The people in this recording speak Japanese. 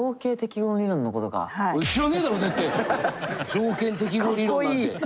条件適合理論なんて。